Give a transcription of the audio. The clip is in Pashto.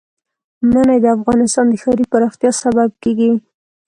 منی د افغانستان د ښاري پراختیا سبب کېږي.